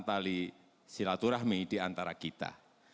tali silaturahmi diantara kita